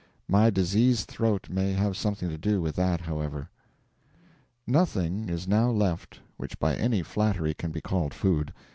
My diseased throat may have something to do with that, however. Nothing is now left which by any flattery can be called food.